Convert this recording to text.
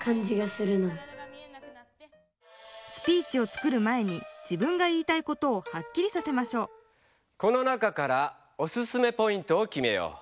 スピーチを作る前に自分が言いたいことをはっきりさせましょうこの中からオススメポイントをきめよう。